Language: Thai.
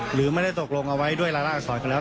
หรือไม่ได้ตกลงเอาไว้ด้วยรายละอักษรก็แล้ว